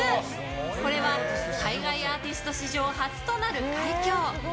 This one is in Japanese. これは海外アーティスト史上初となる快挙。